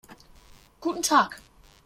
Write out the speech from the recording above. Guten Tag.